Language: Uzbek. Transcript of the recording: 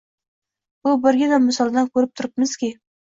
Bu birgina misoldan ko‘rib turibmizki